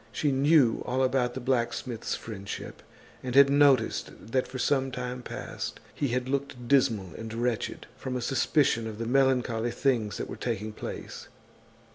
She knew all about the blacksmith's friendship, and had noticed that for some time past he had looked dismal and wretched, from a suspicion of the melancholy things that were taking place.